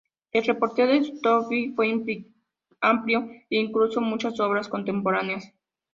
El repertorio de Stokowski fue amplio e incluyó muchas obras contemporáneas.